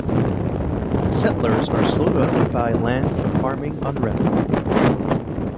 Settlers are slow to occupy land for farming on rental.